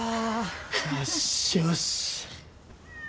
よしよし。